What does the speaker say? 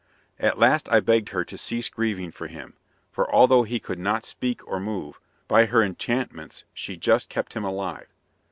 At last I begged her to cease grieving for him, for although he could not speak or move, by her enchantments she just kept him alive.